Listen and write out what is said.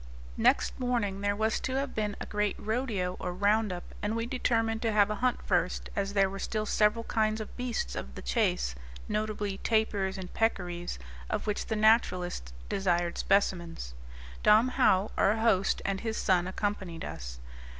Next morning there was to have been a great rodeo or round up, and we determined to have a hunt first, as there were still several kinds of beasts of the chase, notably tapirs and peccaries, of which the naturalists desired specimens. Dom Joao, our host, and his son accompanied us.